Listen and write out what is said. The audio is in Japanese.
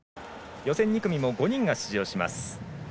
予選２組も５人が出場します。